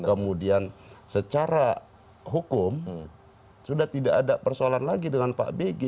kemudian secara hukum sudah tidak ada persoalan lagi dengan pak bg